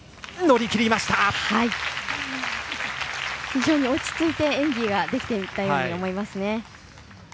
非常に落ち着いて演技ができていたように思えます。